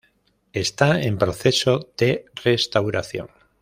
Está en proceso de restauración.